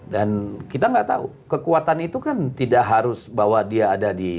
dan kita nggak tahu kekuatan itu kan tidak harus bahwa dia ada di